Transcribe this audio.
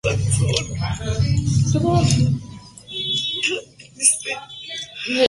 El texto quedó en posesión de la biblioteca de Constantinopla y pronto desapareció.